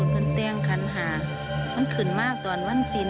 มันเตียงคันหามันขึ้นมากตอนวันสิน